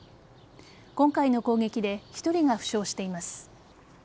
今回の攻撃で１人が負傷しています。